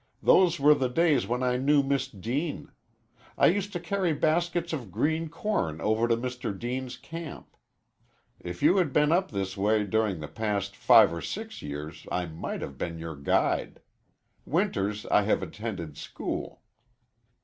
Those were the days when I knew Miss Deane. I used to carry baskets of green corn over to Mr. Deane's camp. If you had been up this way during the past five or six years I might have been your guide. Winters I have attended school."